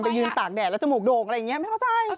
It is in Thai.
ยืนตากแดดแล้วจมูกโด่งอะไรอย่างนี้ไม่เข้าใจ